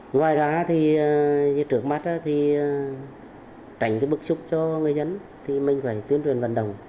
ngoài ra trước mắt tránh bức xúc cho người dân mình phải tuyên truyền vận động